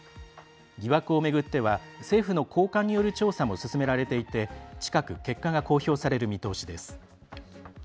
疑惑を巡っては政府の高官による調査も進められていて近く結果が公表される見通しです。